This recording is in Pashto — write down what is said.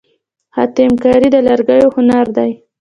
خاتم کاري د لرګیو هنر دی.